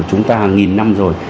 chúng ta hàng nghìn năm rồi